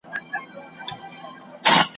جهاني هلته مي شکمن پر خپله مینه سمه ,